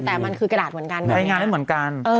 แต่มันคือกระดาษเหมือนกัน